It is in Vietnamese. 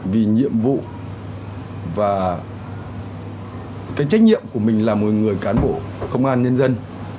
vì nhiệm vụ và cái trách nhiệm của mình là một người cán bộ công an nhân dân